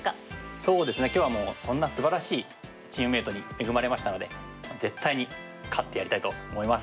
そうですね今日はもうこんなすばらしいチームメートに恵まれましたので絶対に勝ってやりたいと思います！